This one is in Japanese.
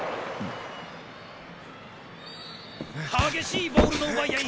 激しいボールの奪い合い。